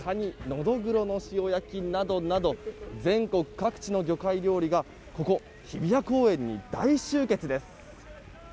のどぐろの塩焼などなど全国各地の魚介料理がここ日比谷公園に大集結です。